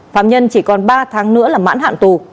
phạm nhân chỉ còn ba tháng nữa là mãn hạn tù